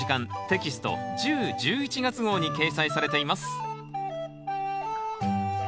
テキスト１０・１１月号に掲載されています